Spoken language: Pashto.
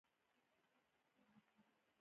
پښتني ټولنه باید خپلو ښځو ته حقونه ورکړي.